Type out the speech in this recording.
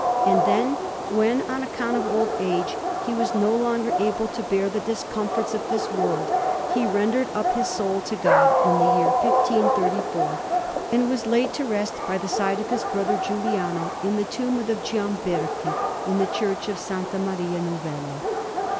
And then, when on account of old age he was no longer able to bear the discomforts of this world, he rendered up his soul to God, in the year 1534, and was laid to rest by the side of his brother Giuliano in the tomb of the Giamberti, in the Church of S. Maria Novella.